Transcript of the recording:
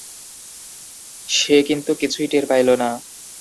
সে কিন্তু কিছুই টের পাইল না।""